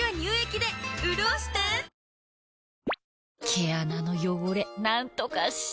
毛穴の汚れなんとかしたい。